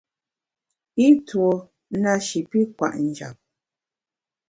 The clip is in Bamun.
I tuo na shi pi kwet njap.